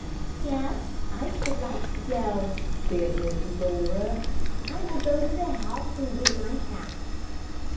"Yes, I should like to go," said Miss Laura, "I will go to the house and get my other hat."